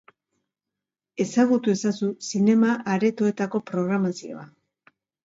Ezagutu ezazu zinema-aretoetako programazioa.